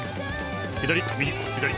左右左右。